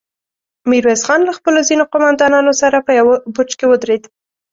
ميرويس خان له خپلو ځينو قوماندانانو سره په يوه برج کې ودرېد.